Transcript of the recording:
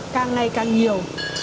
càng ngày càng nhiều